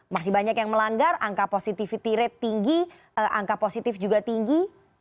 masih banyak yang melanggar angka positivity rate tinggi angka positif juga tinggi